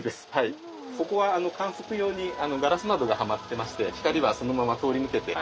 ここは観測用にガラス窓がはまってまして光はそのまま通り抜けて。